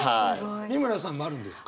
美村さんもあるんですか？